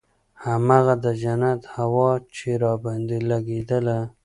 هماغه د جنت هوا چې راباندې لګېدله.